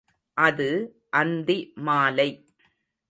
அது அந்தி மாலை.